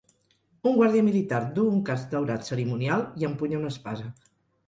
Un guàrdia militar du un casc daurat cerimonial i empunya una espasa.